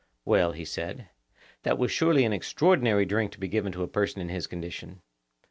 Well, he said, that was surely an extraordinary drink to be given to a person in his condition.